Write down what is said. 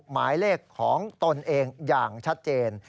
หมายเลขของตนเองอย่างชัดเจน